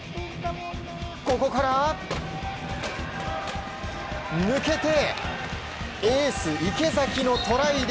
ここから抜けてエース池崎のトライで